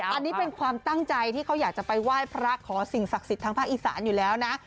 อันนี้เป็นความตั้งใจที่เขาอยากจะไปไหว้พระขอสิ่งศักดิ์สิทธิ์ทางภาคอีสานอยู่แล้วนะ